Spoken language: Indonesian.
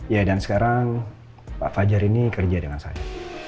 ya dan sekarang pak fajar ini kerja dengan saya